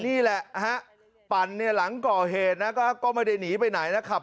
นี่แหละฮะปั่นเนี่ยหลังก่อเหตุนะก็ไม่ได้หนีไปไหนนะครับ